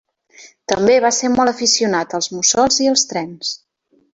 També va ser molt aficionat als mussols i els trens.